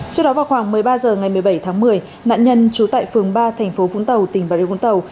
trước đó vào khoảng một mươi ba h ngày một mươi bảy tháng một mươi nạn nhân trú tại phường ba thành phố vũng tàu tỉnh bà điều vũng tàu